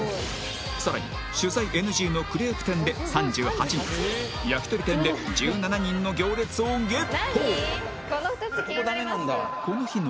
さらに取材ＮＧのクレープ店で３８人焼き鳥店で１７人の行列をゲット